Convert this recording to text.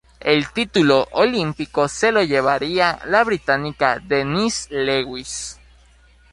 El título olímpico se lo llevaría la británica Denise Lewis.